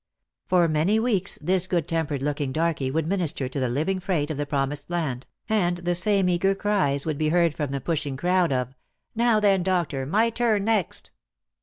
For many weeks this good tempered looking darkey would minister to the living freight of the Promised Land, and the same eager cries would bo heard from the pushing crowd of " Now, then, doctor, my turn next."